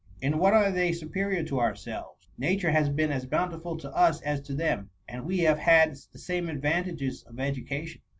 In what are they superior to ourselves ? Nature has been as bountiful to us as to them, and we have had the same advantages of education.